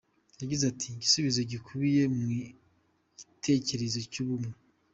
Yagize ati ‘‘Igisubizo gikubiye mu gitekerezo cy’ubumwe.